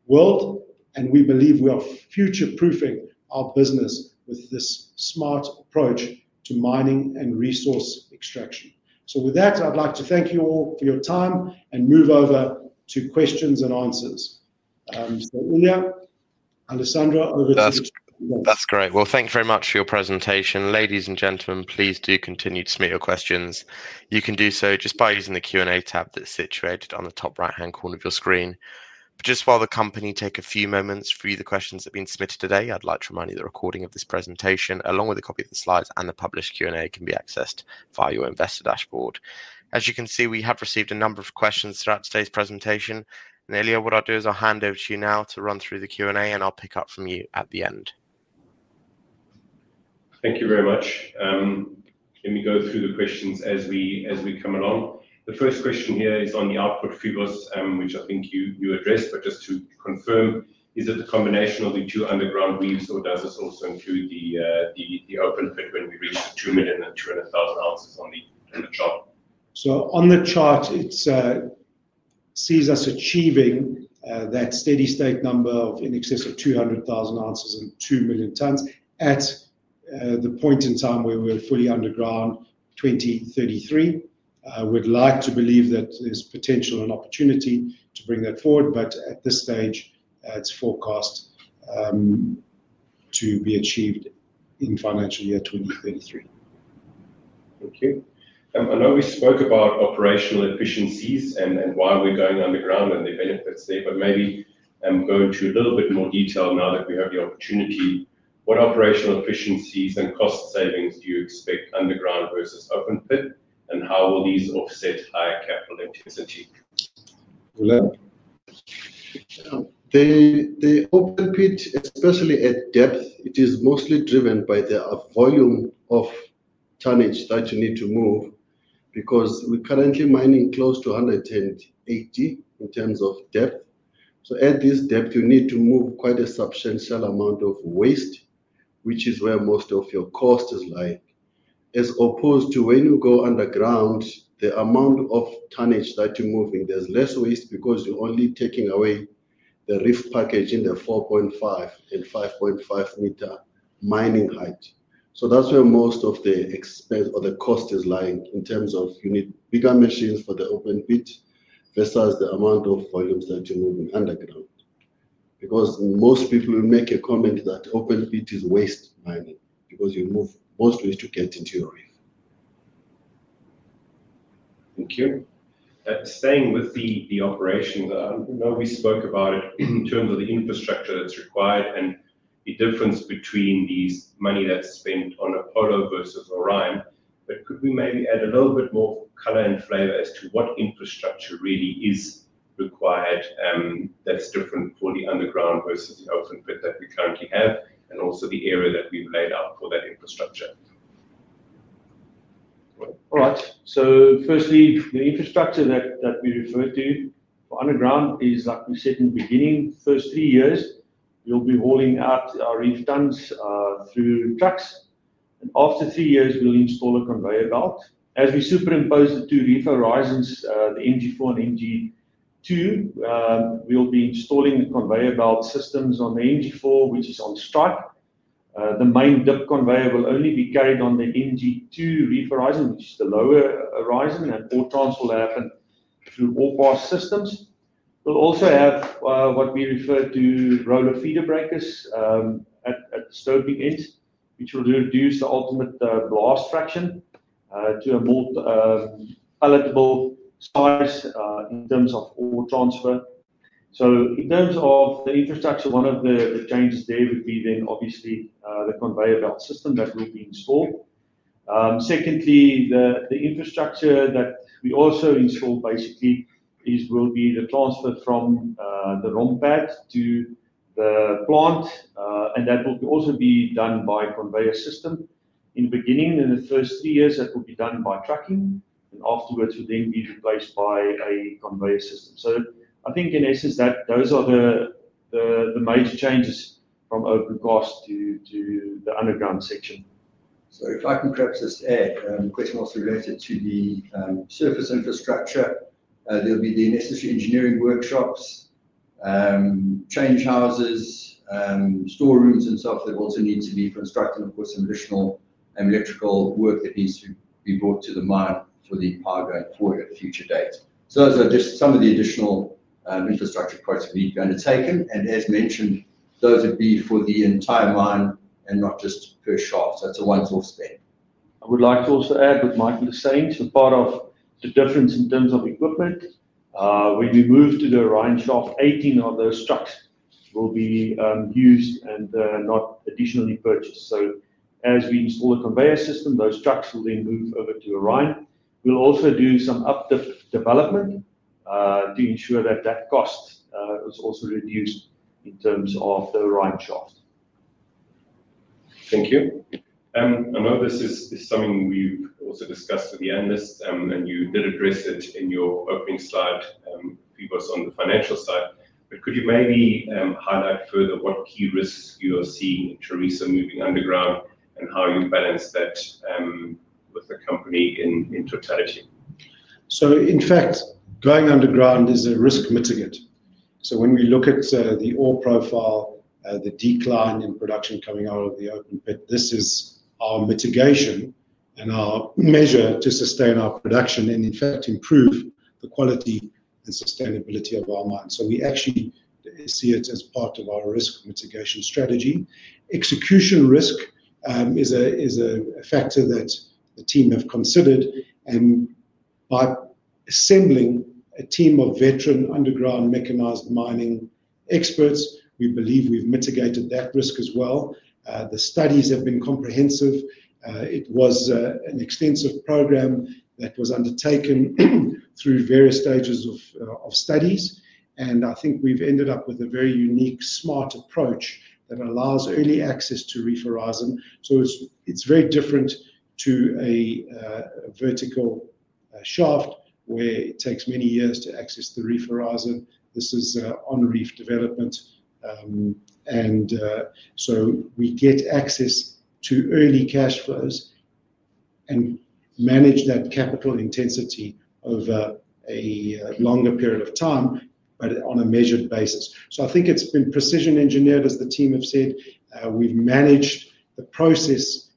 world, and we believe we are future-proofing our business with this smart approach to mining and resource extraction. With that, I'd like to thank you all for your time and move over to questions and answers. Ilja, Alessandro, over to you. That's great. Thank you very much for your presentation. Ladies and gentlemen, please do continue to submit your questions. You can do so just by using the Q&A tab that's situated on the top right-hand corner of your screen. Just while the company takes a few moments to review the questions that have been submitted today, I'd like to remind you the recording of this presentation, along with a copy of the slides and the published Q&A, can be accessed via your investor dashboard. As you can see, we have received a number of questions throughout today's presentation. Ilja, what I'll do is I'll hand over to you now to run through the Q&A, and I'll pick up from you at the end. Thank you very much. I'm going to go through the questions as we come along. The first question here is on the output, Phoevos, which I think you addressed, but just to confirm, is it the combination of the two underground reefs or does this also include the open pit reefs, 2 million and 200,000 ounces? On the chart, it sees us achieving that steady state number of in excess of 200,000 ounces and 2 million tons at the point in time where we're fully underground in 2033. I would like to believe that there's potential and opportunity to bring that forward, but at this stage, it's forecast to be achieved in financial year 2033. Okay. I know we spoke about operational efficiencies and why we're going underground and the benefits there, but maybe going to a little bit more detail now that we have the opportunity. What operational efficiencies and cost savings do you expect underground versus open pit, and how will these offset higher capital efficiency? Vulela. The open pit, especially at depth, it is mostly driven by the volume of tonnage that you need to move because we're currently mining close to 180 in terms of depth. At this depth, you need to move quite a substantial amount of waste, which is where most of your cost is lied. As opposed to when you go underground, the amount of tonnage that you're moving, there's less waste because you're only taking away the reef package in the 4.5 and 5.5 meter mining height. That's where most of the expense or the cost is lying in terms of you need bigger machines for the open pit versus the amount of volumes that you're moving underground. Most people will make a comment that open pit is waste mining because you move mostly to get into your reef. Thank you. Staying with the operations that I know we spoke about in terms of the infrastructure that's required and the difference between the money that's spent on Apollo versus Orion, could we maybe add a little bit more color and flavor as to what infrastructure really is required that's different for the underground versus the open pit that we currently have and also the area that we've laid out for that infrastructure? All right. Firstly, the infrastructure that we refer to for underground is, like we said in the beginning, first three years, we'll be hauling out our reef tons through trucks. After three years, we'll install a conveyor belt. As we superimpose the two reef horizons, the MG4 and MG2, we'll be installing the conveyor belt systems on the MG4, which is on strike. The main dip conveyor will only be carried on the MG2 reef horizon, which is the lower horizon, and all transport will happen through all pass systems. We'll also have what we refer to as roller feeder breakers at the stoping ends, which will reduce the ultimate blast fraction to a more palatable size in terms of all transfer. In terms of the infrastructure, one of the changes there would be obviously the conveyor belt system that will be installed. Secondly, the infrastructure that we also install basically will be the transfer from the ROM pad to the plant, and that will also be done by a conveyor system. In the beginning, in the first three years, that will be done by trucking, and afterwards, it will then be replaced by a conveyor system. I think in essence, those are the major changes from open cast to the underground section. Sorry, if I can cross this out. The question was related to the surface infrastructure. There'll be the necessary engineering workshops, change houses, storerooms, and stuff that also need to be constructed, and of course, some additional electrical work that needs to be brought to the mine for the paragon for a future date. Those are just some of the additional infrastructure approaches we've undertaken, and as mentioned, those would be for the entire mine and not just per shaft. That's a one-source thing. I would like to also add, with Michael saying, part of the difference in terms of equipment, when we move to the Orion shaft, 18 of those trucks will be used and not additionally purchased. As we install a conveyor system, those trucks will then move over to Orion. We'll also do some uplift development to ensure that cost is also reduced in terms of the Orion shaft. Thank you. I know this is something we've also discussed with the analysts, and you did address it in your opening slide, Phoevos, on the financial side. Could you maybe highlight further what key risks you're seeing at Tharisa moving underground and how you balance that with the company in totality? In fact, going underground is a risk mitigate. When we look at the ore profile, the decline in production coming out of the open pit, this is our mitigation and our measure to sustain our production and, in fact, improve the quality and sustainability of our mine. We actually see it as part of our risk mitigation strategy. Execution risk is a factor that the team have considered, and by assembling a team of veteran underground mechanized mining experts, we believe we've mitigated that risk as well. The studies have been comprehensive. It was an extensive program that was undertaken through various stages of studies, and I think we've ended up with a very unique, smart approach that allows early access to reef horizon. It's very different to a vertical shaft where it takes many years to access the reef horizon. This is on-reef development, so we get access to early cash flows and manage that capital intensity over a longer period of time, but on a measured basis. I think it's been precision engineered, as the team have said. We've managed the process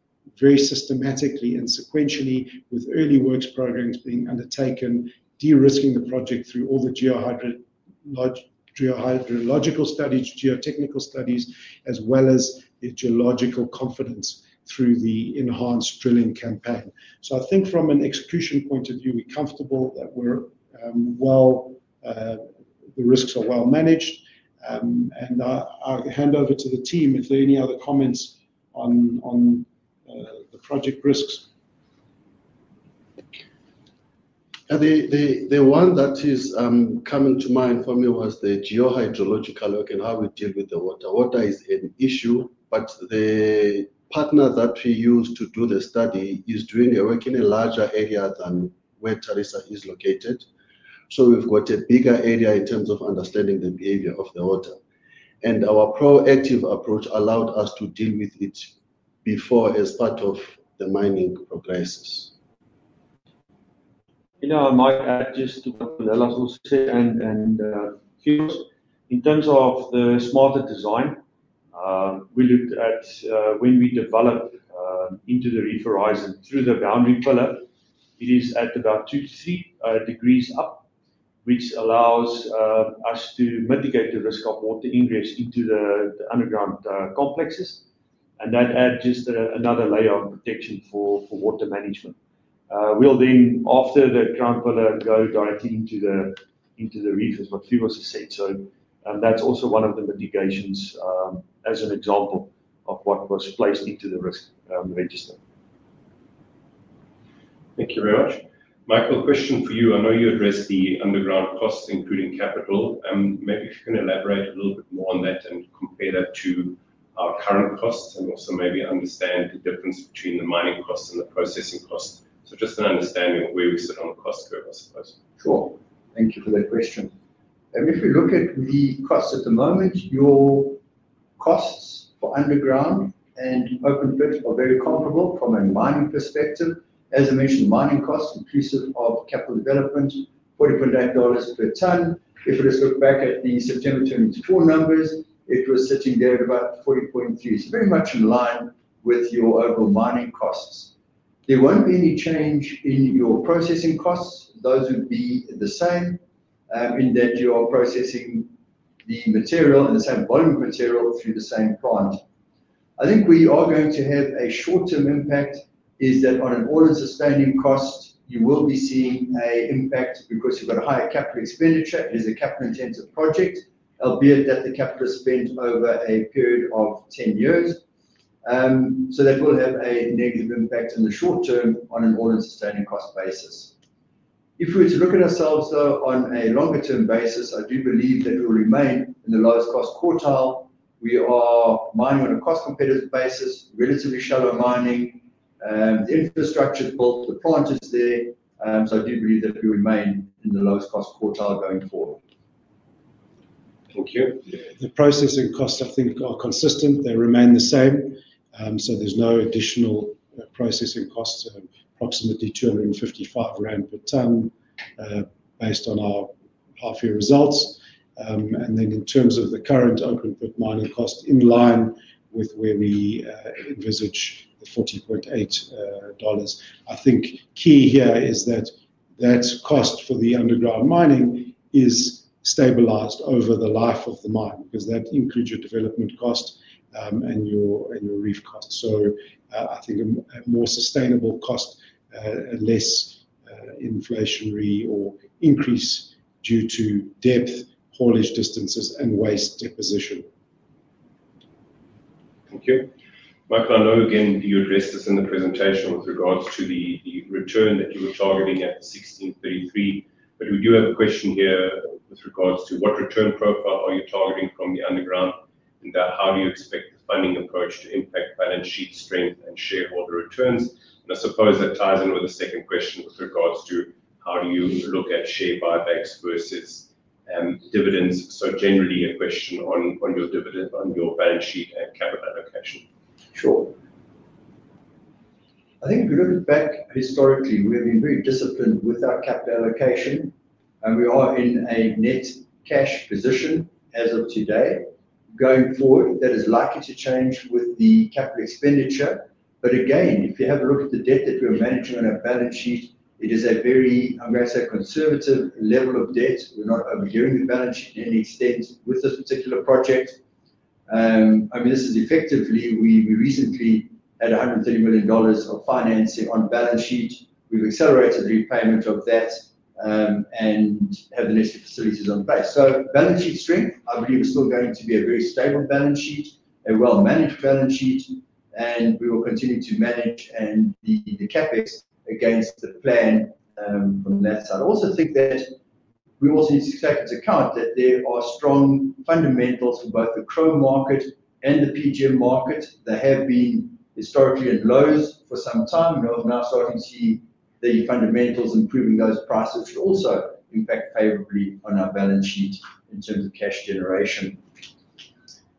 very systematically and sequentially, with early works programs being undertaken, de-risking the project through all the geohydrological studies, geotechnical studies, as well as the geological confidence through the enhanced drilling campaign. From an execution point of view, we're comfortable that we're well, the risks are well managed. I'll hand over to the team if there are any other comments on the project risks. The one that is coming to mind for me was the geohydrological work and how we deal with the water. Water is an issue, but the partner that we use to do the study is doing work in a larger area than where Tharisa is located. We've got a bigger area in terms of understanding the behavior of the water, and our proactive approach allowed us to deal with it before as part of the mining process. You know, I might add just to Vulela's also say, and Q, in terms of the smarter design, we looked at when we develop into the reef horizon through the boundary pillar, it is at about 2 degrees up, which allows us to mitigate the risk of water ingress into the underground complexes. That adds just another layer of protection for water management. We'll then, after the ground pillar, go directly into the reef, as what Phoevos has said. That's also one of the mitigations as an example of what was placed into the risk on the register. Thank you very much. Michael, a question for you. I know you addressed the underground costs, including capital. Maybe you can elaborate a little bit more on that and compare that to our current costs and also maybe understand the difference between the mining costs and the processing costs. Just an understanding of where we sit on cost curves. Sure. Thank you for that question. I mean, if we look at the costs at the moment, your costs for underground and open pits are very comparable from a mining perspective. As I mentioned, mining costs increases of capital development $40.8 per ton. If we just look back at the September 2024 numbers, it was sitting there at about $40.3, so very much in line with your overall mining costs. There won't be any change in your processing costs. Those will be the same in that you are processing the material and the same volume of material through the same times. I think where we are going to have a short-term impact is that on an order sustaining cost, you will be seeing an impact because you've got a higher capital expenditure. It is a capital-intensive project, albeit that the capital is spent over a period of 10 years. That will have a negative impact in the short term on an order sustaining cost basis. If we were to look at ourselves though on a longer-term basis, I do believe that we will remain in the lowest cost quartile. We are mining on a cost-competitive basis, relatively shallow mining. Infrastructure to build the plant is there, so I do believe that we remain in the lowest cost quartile going forward. Thank you. The processing costs, I think, are consistent. They remain the same. There's no additional processing costs, approximately 255 grams per ton, based on our half-year results. In terms of the current open pit mining cost, in line with where we envisage the $40.8, I think key here is that that cost for the underground mining is stabilized over the life of the mine because that includes your development cost and your reef cost. I think a more sustainable cost and less inflationary or increase due to depth, haulage distances, and waste deposition. Thank you. Michael, I know again you addressed this in the presentation with regards to the return that you were targeting at 1633, but we do have a question here with regards to what return profile are you targeting from the underground and how do you expect funding approach to impact balance sheet strength and shareholder returns? I suppose that ties in with the second question with regards to how do you look at share buybacks versus dividends? Generally, a question on your dividend on your balance sheet and capital allocation. Sure. I think if we look back historically, we have been very disciplined with our capital allocation, and we are in a net cash position as of today. Going forward, that is likely to change with the capital expenditure. If you have a look at the debt that we're managing on our balance sheet, it is a very, I'm going to say, conservative level of debt. We're not overdoing the balance sheet in any extent with this particular project. This is effectively, we recently had $130 million of financing on balance sheet. We've accelerated the repayment of that and have the necessary facilities in place. Balance sheet strength, I believe, is still going to be a very stable balance sheet, a well-managed balance sheet, and we will continue to manage and beat the CapEx against the plan on that side. I also think that we also need to take into account that there are strong fundamentals for both the chrome market and the PGM market that have been historically at lows for some time. We're now starting to see the fundamentals improving those prices, which also impact favorably on our balance sheet in terms of cash generation.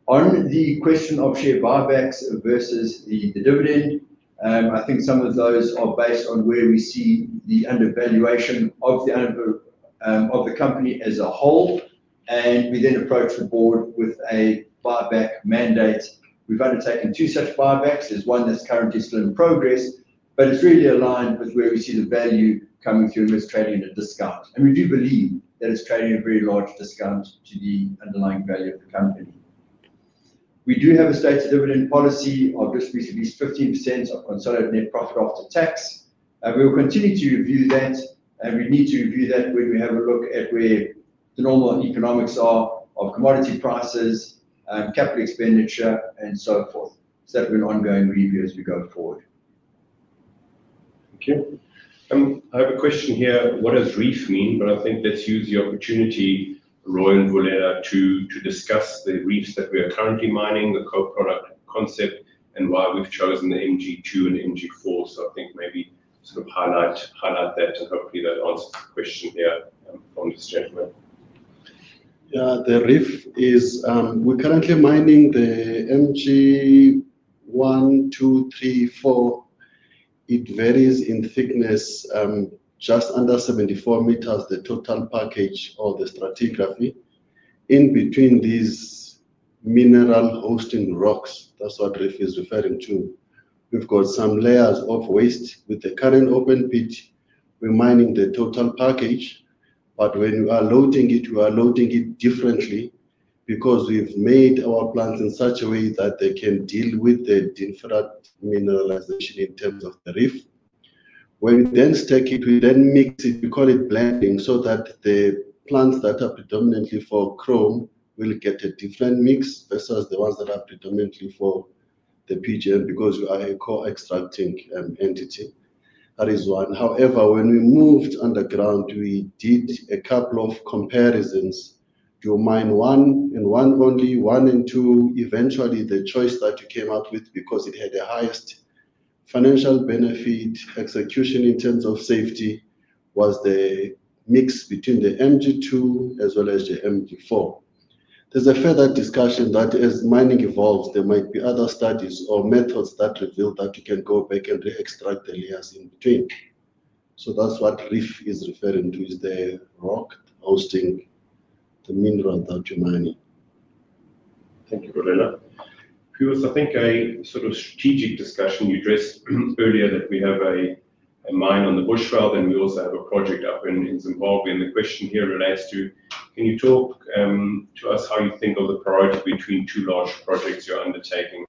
On the question of share buybacks versus the dividend, I think some of those are based on where we see the undervaluation of the company as a whole. We then approach the board with a buyback mandate. We've undertaken two such buybacks. There's one that's currently still in progress, but it's really aligned with where we see the value coming through in this trading at a discount. We do believe that it's trading at a very large discount to the underlying value of the company. We do have a stated dividend policy of risk, which would be 15% of consolidated net profit after tax. We will continue to review that, and we need to review that when we have a look at where the normal economics are of commodity prices, capital expenditure, and so forth. That will be an ongoing review as we go forward. I have a question here. What does reef mean? I think let's use the opportunity, Roy and Vulela, to discuss the reefs that we are currently mining, the co-product concept, and why we've chosen the MG2 and MG4. I think maybe sort of highlight that. Hopefully, that answers the question here from this gentleman. Yeah, the reef is we're currently mining the MG1, 2, 3, 4. It varies in thickness, just under 74 meters, the total package of the stratigraphy. In between these mineral hosting rocks, that's what reef is referring to. We've got some layers of waste. With the current open pit, we're mining the total package, but when you are loading it, you are loading it differently because we've made our plants in such a way that they can deal with the different mineralization in terms of the reef. When we then stack it, we then mix it. We call it blending so that the plants that are predominantly for chrome will get a different mix versus the ones that are predominantly for the PGM because you are a core extracting entity. That is one. However, when we moved underground, we did a couple of comparisons. You'll mine one and one only, one and two. Eventually, the choice that you came up with because it had the highest financial benefit, execution in terms of safety was the mix between the MG2 as well as the MG4. There's a further discussion that as mining evolves, there might be other studies or methods that reveal that you can go back and re-extract the layers in between. That's what reef is referring to, is the rock hosting the mineral that you're mining. Thank you, Vulela. Phoevos, I think a sort of strategic discussion we addressed earlier that we have a mine on the Bushveld, then we also have a project up in Zimbabwe. The question here relates to, can you talk to us how you think of the parallel between two large projects you're undertaking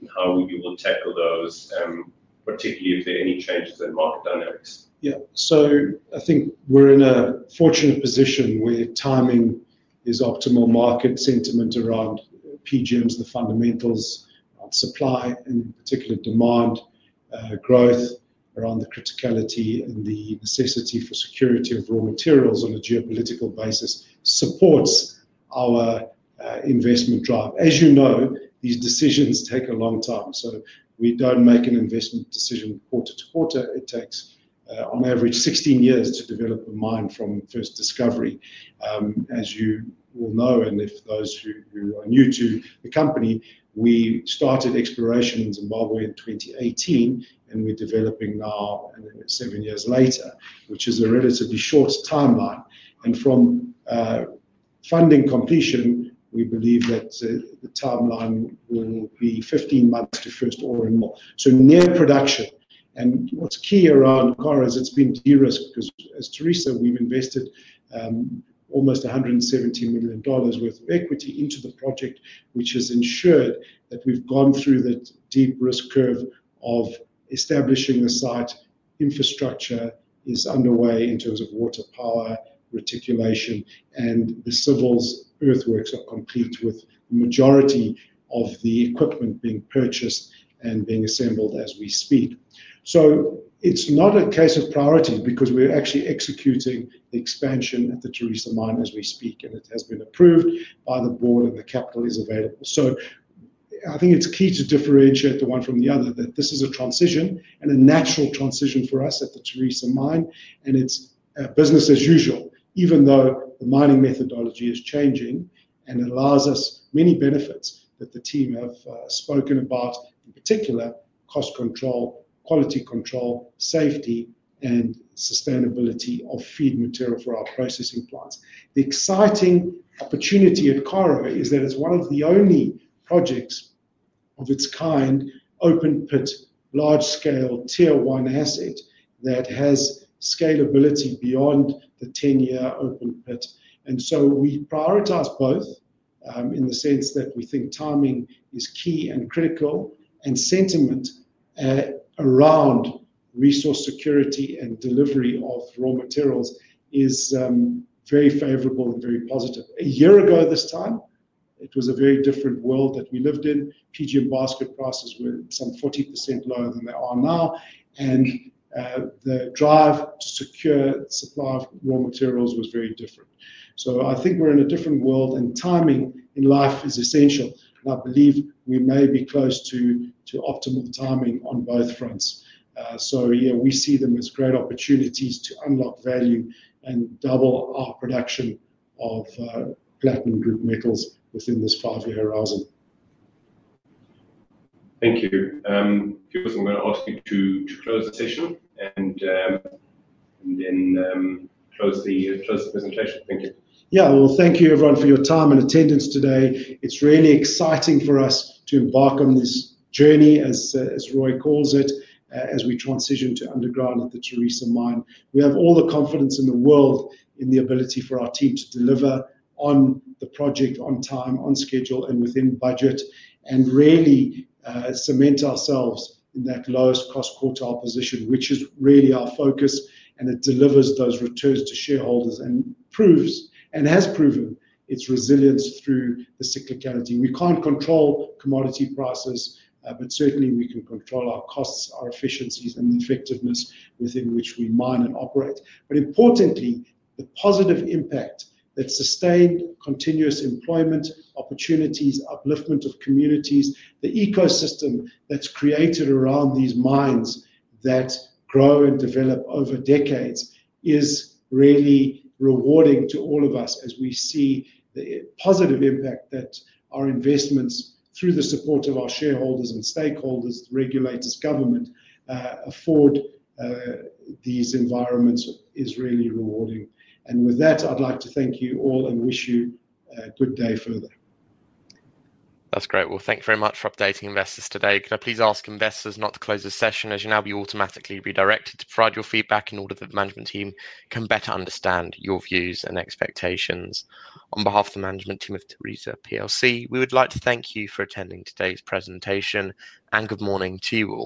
and how you will tackle those, particularly if there are any changes in market dynamics? Yeah. I think we're in a fortunate position where timing is optimal, market sentiment around PGMs, the fundamentals of supply and particular demand growth around the criticality and the necessity for security of raw materials on a geopolitical basis supports our investment drive. As you know, these decisions take a long time. We don't make an investment decision quarter to quarter. It takes, on average, 16 years to develop a mine from first discovery. As you will know, and if those who are new to the company, we started exploration in Zimbabwe in 2018, and we're developing now seven years later, which is a relatively short timeline. From funding completion, we believe that the timeline will be 15 months to first ore and more. Near production. What's key around Karo is it's been de-risked because, as Tharisa, we've invested almost $170 million worth of equity into the project, which has ensured that we've gone through the deep risk curve of establishing the site. Infrastructure is underway in terms of water, power, reticulation, and the civils earthworks are complete with the majority of the equipment being purchased and being assembled as we speak. It's not a case of priority because we're actually executing the expansion at the Tharisa Minerals Mine as we speak, and it has been approved by the board and the capital is available. I think it's key to differentiate the one from the other that this is a transition and a natural transition for us at the Tharisa Minerals Mine, and it's business as usual, even though the mining methodology is changing and allows us many benefits that the team have spoken about, in particular, cost control, quality control, safety, and sustainability of feed material for our processing plants. The exciting opportunity at Karo is that it's one of the only projects of its kind, open pit, large-scale tier one asset that has scalability beyond the 10-year open pit. We prioritize both in the sense that we think timing is key and critical, and sentiment around resource security and delivery of raw materials is very favorable and very positive. A year ago this time, it was a very different world that we lived in. PGM basket prices were some 40% lower than they are now, and the drive to secure supply of raw materials was very different. I think we're in a different world, and timing in life is essential. I believe we may be close to optimal timing on both fronts. Yeah, we see them as great opportunities to unlock value and double our production of PGMs within this five-year horizon. Thank you. Give us a minute. I'll speak to close the session and then close the presentation. Thanks. Thank you Ilja everyone for your time and attendance today. It's really exciting for us to embark on this journey, as Roy calls it, as we transition to underground at the Tharisa Minerals Mine. We have all the confidence in the world in the ability for our team to deliver on the project, on time, on schedule, and within budget, and really cement ourselves in that lowest cost quartile position, which is really our focus, and it delivers those returns to shareholders and proves, and has proven, its resilience through the cyclicality. We can't control commodity prices, but certainly we can control our costs, our efficiencies, and the effectiveness within which we mine and operate. Importantly, the positive impact that sustained continuous employment opportunities, upliftment of communities, the ecosystem that's created around these mines that grow and develop over decades is really rewarding to all of us as we see the positive impact that our investments through the support of our shareholders and stakeholders, regulators, government, afford, these environments is really rewarding. With that, I'd like to thank you all and wish you a good day further. That's great. Thank you very much for updating investors today. Can I please ask investors not to close the session as you'll now be automatically redirected to provide your feedback in order that the management team can better understand your views and expectations. On behalf of the management team of Tharisa plc, we would like to thank you for attending today's presentation and good morning to you.